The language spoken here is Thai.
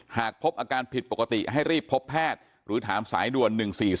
หากพบอาการผิดปกติให้รีบพบแพทย์หรือถามสายด่วน๑๔๒